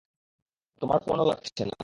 তোমার ফোনও লাগছে না।